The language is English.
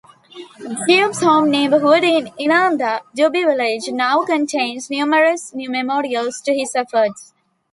Dube's home neighborhood in Inanda, Dube Village, now contains numerous memorials to his efforts.